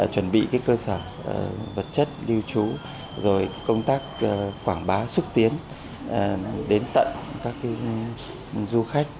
chuẩn bị cơ sở vật chất lưu trú rồi công tác quảng bá xúc tiến đến tận các du khách